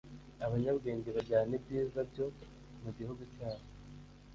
abanyabwenge bajyana ibyiza byo mu gihugu cyabo